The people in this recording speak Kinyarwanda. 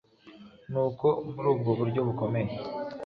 Nuko muri ubwo buryo bukomeye,